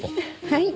はい。